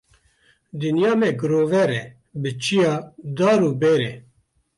Dinya me girover e bi çiya, dar û ber e.